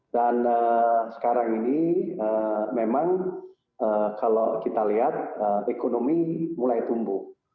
dan sekarang ini memang kalau kita lihat ekonomi mulai tumbuh